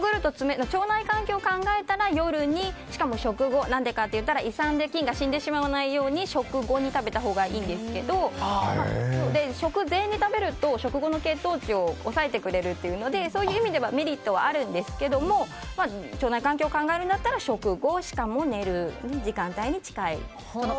腸内環境を考えたら夜にしかも胃酸で菌が死んでしまわないように食後に食べたほうがいいんですけど食前に食べると食後の血糖値を抑えてくれるというのでそういう意味ではメリットはありますが腸内環境を考えるなら食後、しかも寝る時間帯に近いほうが。